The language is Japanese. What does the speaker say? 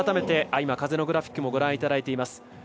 風のグラフィックもご覧いただいています。